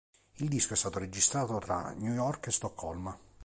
Il disco è stato registrato tra New York e Stoccolma.